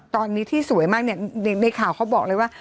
ตอนนี้ที่สวยมากเนี่ยในข่าวเขาบอกเลยว่า